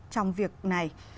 trong việc này